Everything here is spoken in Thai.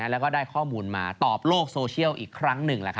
แล้วก็ได้ข้อมูลมาตอบโลกโซเชียลอีกครั้งหนึ่ง